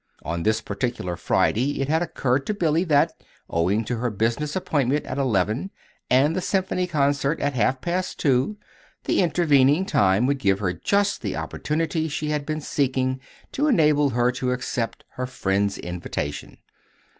On this particular Friday it had occurred to Billy that, owing to her business appointment at eleven and the Symphony Concert at half past two, the intervening time would give her just the opportunity she had been seeking to enable her to accept her friend's invitation.